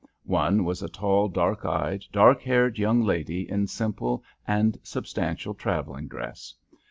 One was a tall, dark eyed, dark haired young lady in simple and substantial travelling dress.